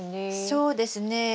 そうですね。